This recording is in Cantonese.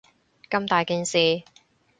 咁大件事